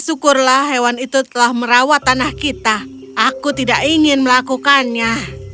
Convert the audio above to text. syukurlah hewan itu telah merawat tanah kita aku tidak ingin melakukannya